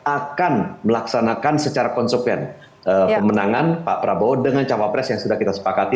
akan melaksanakan secara konsepen pemenangan pak prabowo dengan cawapres yang sudah kita sepakati